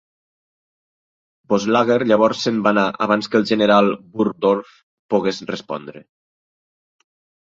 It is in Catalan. Boeselager llavors se'n va anar abans que el General Burgdorf pogués respondre.